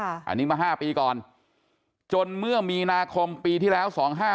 อันนี้มา๕ปีก่อนจนเมื่อมีนาคมปีที่แล้ว๒๕๖